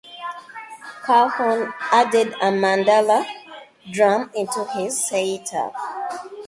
Calhoun added a Mandala Drum into his setup.